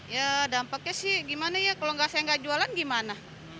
ya dampaknya sih gimana ya kalau saya nggak jualan gimana